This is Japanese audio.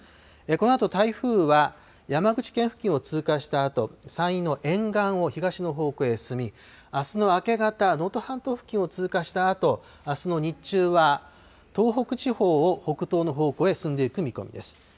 このあと、台風は山口県付近を通過したあと、山陰の沿岸を東の方向へ進み、あすの明け方、能登半島付近を通過したあと、あすの日中は東北地方を北東の方向へ進んでいく見込みです。